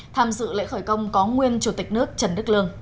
tham dự lễ khởi công có nguyên chủ tịch nước trần đức lương